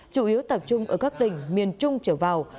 chủ yếu tập trung ở các tỉnh miền trung trở vào